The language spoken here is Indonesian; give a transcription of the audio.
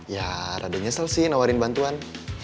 ya rada nyesel sih nawarin bantuan